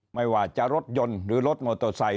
ไม่ว่าจะรถยนต์หรือรถโมโตไซด์